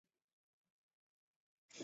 艾因格是德国巴伐利亚州的一个市镇。